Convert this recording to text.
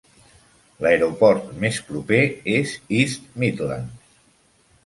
L'aeroport més proper és East Midlands.